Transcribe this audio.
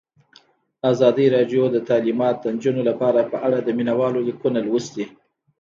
ازادي راډیو د تعلیمات د نجونو لپاره په اړه د مینه والو لیکونه لوستي.